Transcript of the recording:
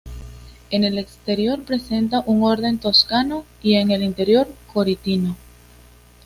En el exterior presenta un orden toscano y en el interior corintio.